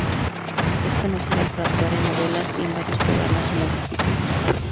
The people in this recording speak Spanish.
Es conocida por actuar en novelas y en varios programas humorísticos.